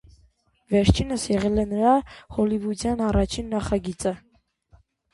Վերջինս եղել է նրա հոլիվուդյան առաջին նախագիծը։